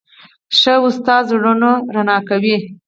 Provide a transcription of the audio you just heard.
ښه ښوونکی زړونه رڼا کوي.